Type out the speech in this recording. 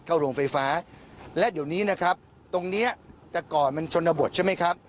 โรงไฟฟ้าและเดี๋ยวนี้นะครับตรงเนี้ยแต่ก่อนมันชนบทใช่ไหมครับ